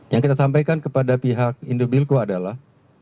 yang kita sampaikan kepada pihak indobilco adalah